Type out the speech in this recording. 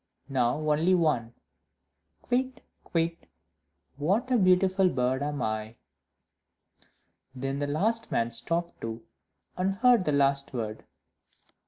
now only one. "Kywitt! Kywitt! what a beautiful bird am I!" Then the last man stopped too, and heard the last word.